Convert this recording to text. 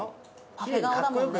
パフェ顔だもんね。